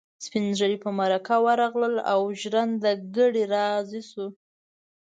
سپين ږيري په مرکه ورغلل او ژرنده ګړی راضي شو.